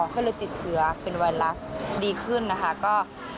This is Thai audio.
ก็เลยติดเชื้อเป็นไวรัสดีขึ้นนะคะ